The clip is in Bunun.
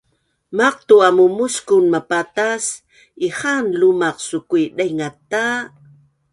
Maqtu amu muskun mapatas ihaan lumaq sukui daingaz ta